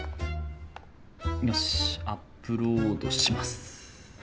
よしアップロードします。